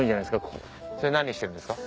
それ何してるんですか？